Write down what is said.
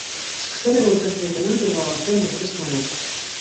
Սկսել է որպես լեյտենանտ և ավարտել որպես մայոր։